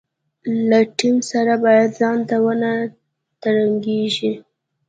له ټیم سره باید ځانته ونه ترنګېږي.